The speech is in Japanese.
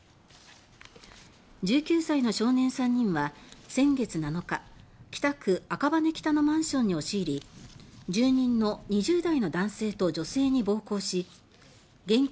１９歳の少年３人は先月７日北区赤羽北のマンションに押し入り住人の２０代の男性と女性に暴行し現金